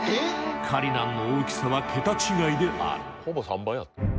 カリナンの大きさは桁違いである。